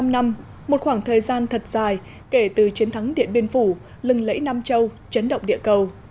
bảy mươi năm năm một khoảng thời gian thật dài kể từ chiến thắng điện biên phủ lừng lẫy nam châu chấn động địa cầu